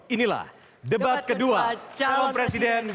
inilah debat kedua calon presiden dua ribu sembilan belas